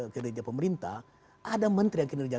kinerja pemerintah ada menteri yang kinerja